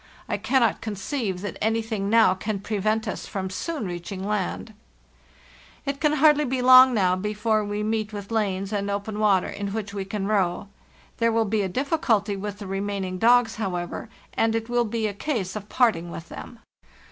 I cannot conceive that anything now can prevent us from soon reaching REPAIRING THE KAYAKS land. It can hardly be long now before we meet with lanes and open water in which we can row. There will be a difficulty with the remaining dogs, however, and it will be a case of parting with them.